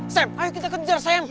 sam ayo kita kejar saya